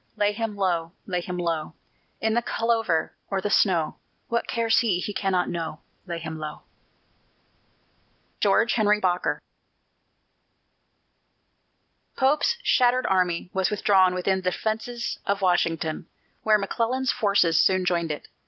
Lay him low, lay him low, In the clover or the snow! What cares he? he cannot know: Lay him low! GEORGE HENRY BOKER. Pope's shattered army was withdrawn within the defences of Washington, where McClellan's forces soon joined it.